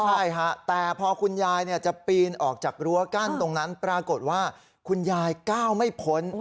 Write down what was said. ใช่ฮะแต่พอคุณยายจะปีนออกจากรั้วกั้นตรงนั้นปรากฏว่าคุณยายก้าวไม่พ้น